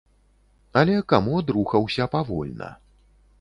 Але камод рухаўся павольна.